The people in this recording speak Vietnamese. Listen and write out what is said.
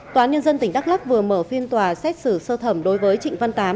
tòa án nhân dân tỉnh đắk lắc vừa mở phiên tòa xét xử sơ thẩm đối với trịnh văn tám